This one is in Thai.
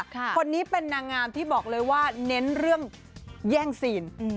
คนนี้เป็นนางงามที่บอกเลยว่าเน้นเรื่องแย่งซีน